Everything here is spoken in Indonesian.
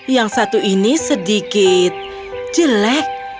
yang satu ini sedikit jelek